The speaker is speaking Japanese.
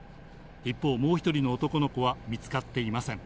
一方、もう１人の男の子は見つかっていません。